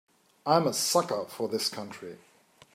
I'm a sucker for this country.